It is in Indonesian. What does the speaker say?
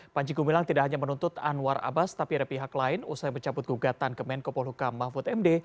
panji gumilang tidak hanya menuntut anwar abbas tapi ada pihak lain usai mencabut gugatan ke menko polhukam mahfud md